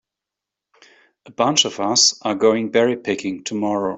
A bunch of us are going berry picking tomorrow.